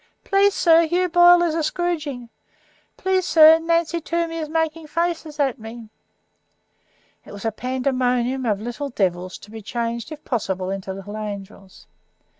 "Please, sir, Hugh Boyle is a scroodgin." "Please, sir, Nancy Toomey is making faces at me." It was a pandemonium of little devils, to be changed, if possible, into little angels.